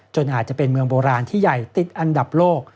อาจจะเป็นเมืองโบราณที่ใหญ่ติดอันดับโลก